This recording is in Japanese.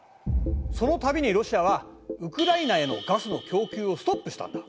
その度にロシアはウクライナへのガスの供給をストップしたんだ。